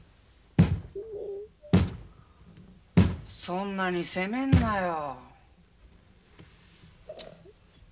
そんなに責めんなよ。